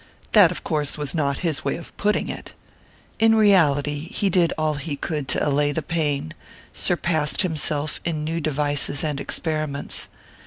That, of course, was not his way of putting it. In reality, he did all he could to allay the pain, surpassed himself in new devices and experiments.